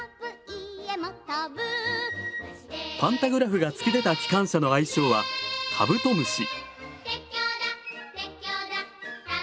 パンタグラフが突き出た機関車の愛称は「カブトムシ」。